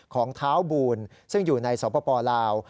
ของท้าวบูลซึ่งอยู่ในสวพปลาลาว